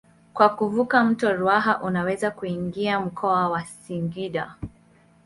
Kwa kuvuka mto Ruaha unaweza kuingia mkoa wa Singida.